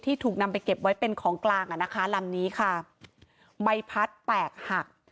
ถูกนำไปเก็บไว้เป็นของกลางอ่ะนะคะลำนี้ค่ะใบพัดแตกหัก